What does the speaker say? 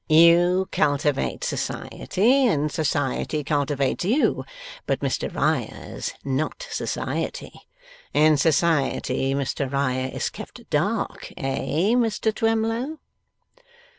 You cultivate society and society cultivates you, but Mr Riah's not society. In society, Mr Riah is kept dark; eh, Mr Twemlow?